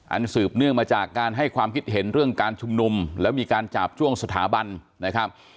สืบเนื่องมาจากการให้ความคิดเห็นเรื่องการชุมนุมแล้วมีการจาบจ้วงสถาบันนะครับ